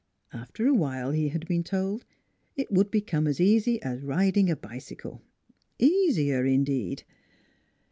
After a while, he had been told, it would become as easy as riding a bicycle easier, indeed.